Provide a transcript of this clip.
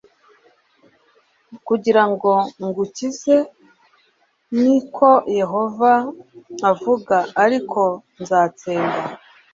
kugira ngo ngukize g ni ko Yehova avuga Ariko nzatsemba